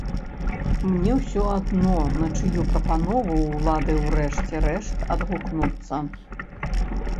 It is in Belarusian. Мне ўсё адно, на чыю прапанову ўлады ўрэшце рэшт адгукнуцца!